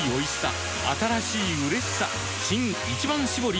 新「一番搾り」